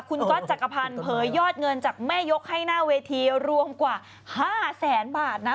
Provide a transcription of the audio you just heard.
คุณก๊อตจักรพันธ์เผยยอดเงินจากแม่ยกให้หน้าเวทีรวมกว่า๕แสนบาทนะ